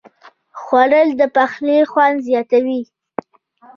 خوړل د پخلي خوند زیاتوي